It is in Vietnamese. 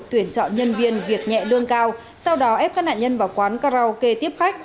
tuyển chọn nhân viên việc nhẹ lương cao sau đó ép các nạn nhân vào quán karaoke tiếp khách